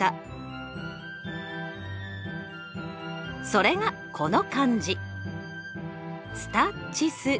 それがこの漢字。